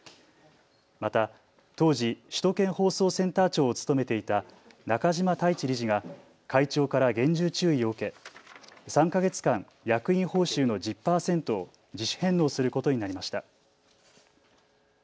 また当時、首都圏放送センター長を務めていた中嶋太一理事が会長から厳重注意を受け３か月間、役員報酬の１０％を自主返納することになりました。